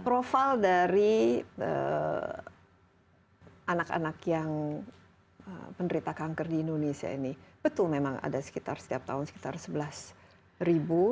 profil dari anak anak yang penderita kanker di indonesia ini betul memang ada sekitar setiap tahun sekitar sebelas ribu